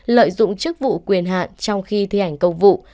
lợi dụng chức vụ quyền hạn trong khi thi hành công vụ